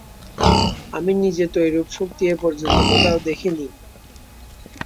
আমি নিজে তো এরূপ শক্তি এ-পর্যন্ত কোথাও দেখিনি।